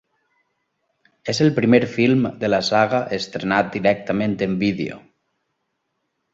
És el primer film de la saga estrenat directament en vídeo.